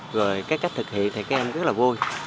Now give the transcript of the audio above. rồi cái cách thực hiện thì các em rất là vui